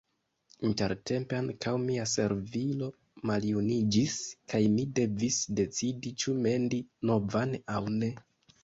Intertempe ankaŭ mia servilo maljuniĝis kaj mi devis decidi ĉu mendi novan aŭ ne.